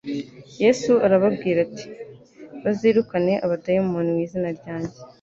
Yesu arababwira, ati : «Bazirukana abadayimoni mu izina ryanjye,